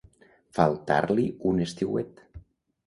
Faltar-li un estiuet.